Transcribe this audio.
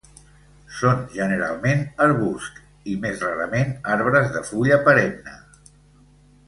Són generalment arbusts i més rarament arbres de fulla perenne.